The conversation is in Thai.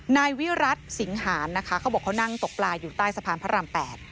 นายวิรัติสิงหานนะคะเขาบอกเขานั่งตกปลาอยู่ใต้สะพานพระราม๘